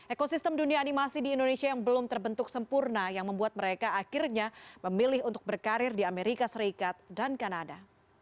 ekosistem dunia animasi di indonesia yang belum terbentuk sempurna yang membuat mereka akhirnya memilih untuk berkarir di amerika serikat dan kanada